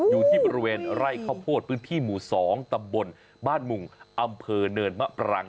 อยู่ที่บริเวณไร่ข้าวโพดพื้นที่หมู่๒ตำบลบ้านมุงอำเภอเนินมะปรัง